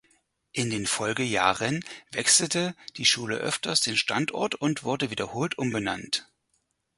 In den Folgejahren wechselte die Schule öfters den Standort und wurde wiederholt umbenannt.